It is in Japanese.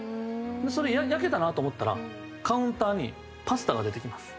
それ焼けたなと思ったらカウンターにパスタが出てきます。